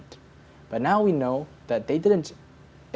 tapi sekarang kita tahu